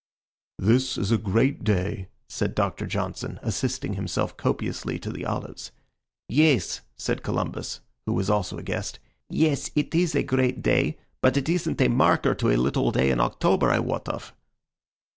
"This is a great day," said Doctor Johnson, assisting himself copiously to the olives. "Yes," said Columbus, who was also a guest "yes, it is a great day, but it isn't a marker to a little day in October I wot of."